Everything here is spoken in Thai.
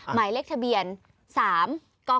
หมายเลขทะเบียน๓ก๕